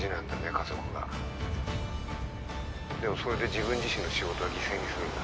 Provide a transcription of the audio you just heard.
家族が☎でもそれで自分自身の仕事は犠牲にするんだ？